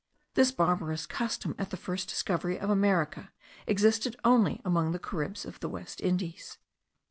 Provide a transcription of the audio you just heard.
This barbarous custom,* at the first discovery of America, existed only among the Caribs of the West Indies.